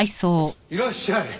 いらっしゃい。